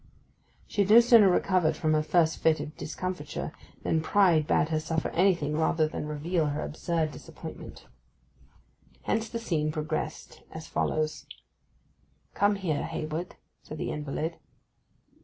She had no sooner recovered from her first fit of discomfiture than pride bade her suffer anything rather than reveal her absurd disappointment. Hence the scene progressed as follows: 'Come here, Hayward,' said the invalid.